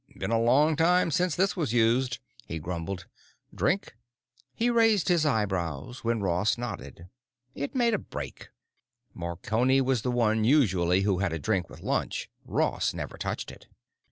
"Been a long time since this was used," he grumbled. "Drink?" He raised his eyebrows when Ross nodded. It made a break; Marconi was the one usually who had a drink with lunch, Ross never touched it.